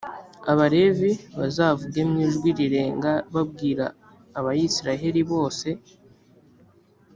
abalevi bazavuge mu ijwi rirenga babwira abayisraheli bose